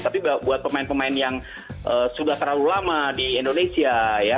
tapi buat pemain pemain yang sudah terlalu lama di indonesia